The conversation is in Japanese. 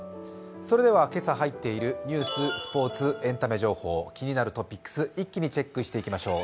それでは今朝入っているニュース、スポーツ、エンタメ情報、気になるトピックス、一気にチェックしていきましょう。